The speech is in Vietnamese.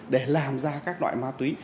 để làm ra các loại ma túy